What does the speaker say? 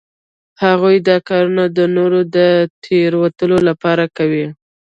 هغوی دا کارونه د نورو د تیروتلو لپاره کوي